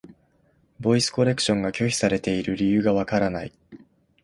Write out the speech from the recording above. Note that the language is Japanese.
ボイスコレクションが拒否されている理由がわからない。